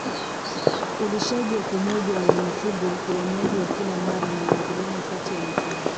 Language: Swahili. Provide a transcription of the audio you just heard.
ulishaji wa pamoja wa mifugo uhamaji wa kila mara na mwingiliano kati ya mifugo